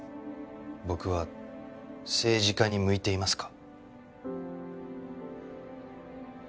僕は政治家に向いていますか？